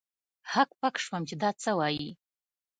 هک پک سوم چې دا څه وايي.